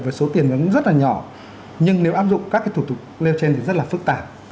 với số tiền nó cũng rất là nhỏ nhưng nếu áp dụng các cái thủ tục leo trên thì rất là phức tạp